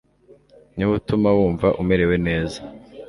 niwe utuma wumva umerewe neza